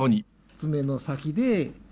爪の先で。